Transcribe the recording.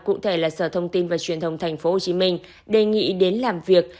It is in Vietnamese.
cụ thể là sở thông tin và truyền thông tp hcm đề nghị đến làm việc